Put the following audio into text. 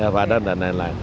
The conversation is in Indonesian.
padang dan lain lain